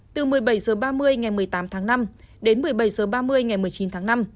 từ một mươi bảy h ba mươi ngày một mươi tám tháng năm đến một mươi bảy h ba mươi ngày một mươi chín tháng năm